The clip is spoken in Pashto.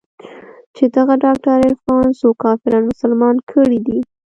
چې دغه ډاکتر عرفان څو کافران مسلمانان کړي دي.